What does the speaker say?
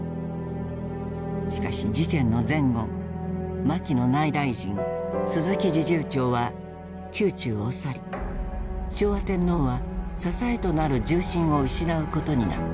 しかし事件の前後牧野内大臣鈴木侍従長は宮中を去り昭和天皇は支えとなる重臣を失うことになった。